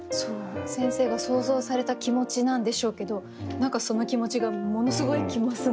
先生が想像された気持ちなんでしょうけど何かその気持ちがものすごい来ますね。